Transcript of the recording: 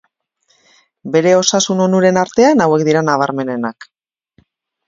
Bere osasun onuren artean hauek dira nabarmenenak.